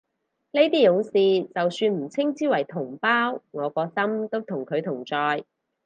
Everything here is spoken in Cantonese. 呢啲勇士就算唔稱之為同胞，我個心都同佢同在